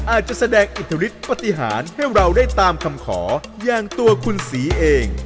อาจจะแสดงอิทธิฤทธิปฏิหารให้เราได้ตามคำขออย่างตัวคุณศรีเอง